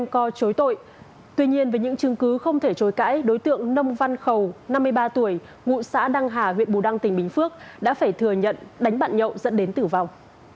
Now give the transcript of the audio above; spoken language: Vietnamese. tuy nhiên với những chứng cứ không thể chối cãi đối tượng nông văn khầu năm mươi ba tuổi ngụ xã đăng hà huyện bù đăng tỉnh bình phước đã phải thừa nhận đánh bạn nhậu dẫn đến tử vong